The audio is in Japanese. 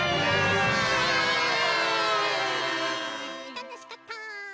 たのしかった。